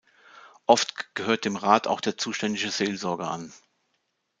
Oft gehört dem Rat auch der zuständige Seelsorger an.